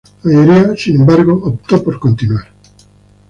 La mayoría, sin embargo, optó por continuar.